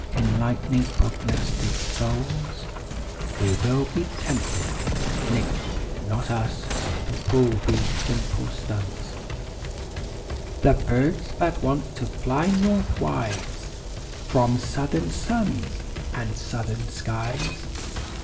Enlightening prognostic souls. Will we be tempted—nix, not us— To pull these simple stunts. The birds that want to fly northwise From southern suns and southern skies.